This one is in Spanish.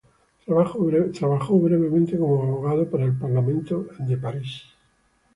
Trabajó brevemente como abogado para el Parlamento de París.